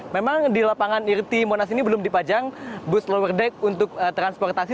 memang di lapangan irti monas ini belum dipajang bus lower deck untuk transportasi